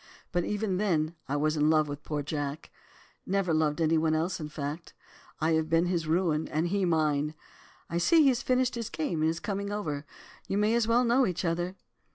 But even then I was in love with poor Jack—never loved any one else in fact. I have been his ruin, and he mine. I see he has finished his game, and is coming over. You may as well know each other.